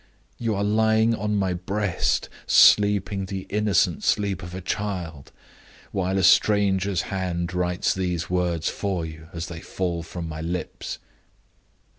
You are lying on my breast, sleeping the innocent sleep of a child, while a stranger's hand writes these words for you as they fall from my lips.